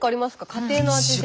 家庭の味で。